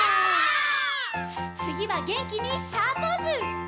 「つぎは元気にシャーポーズ！」